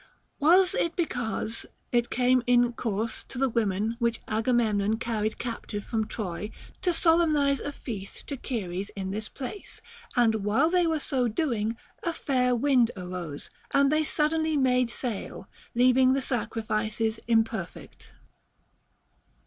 Was it because it came in course to the women which Agamemnon carried captive from Troy to solemnize a feast to Ceres in this place, and while they were so doing, a fair wind arose, and they suddenly made sail, leaving the sacrifices imperfect.